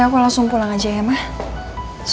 aku mau pulang aja ya mas